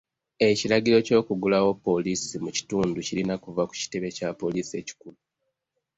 Ekiragiro ky'okuggulawo poliisi mu kitundu kirina kuva ku kitebe kya poliisi ekikulu.